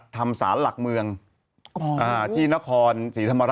ที่สารหลักเมืองนะครับ